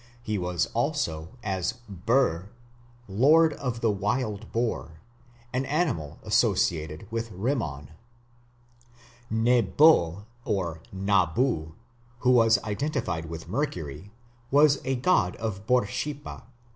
He was also as Ber "lord of the wild boar", an animal associated with Rimmon. Nebo (Nabu), who was identified with Mercury, was a god of Borsippa.